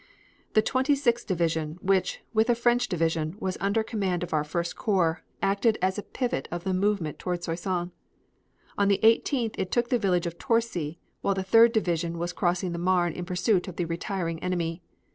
The Twenty sixth Division, which, with a French division, was under command of our First Corps, acted as a pivot of the movement toward Soissons. On the 18th it took the village of Torcy while the Third Division was crossing the Marne in pursuit of the retiring enemy.